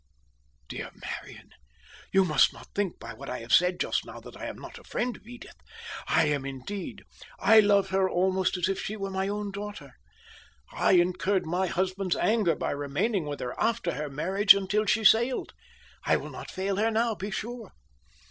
"Dear Marian, you must not think by what I said just now, that I am not a friend of Edith. I am, indeed. I love her almost as if she were my own daughter. I incurred my husband's anger by remaining with her after her marriage until she sailed. I will not fail her now, be sure.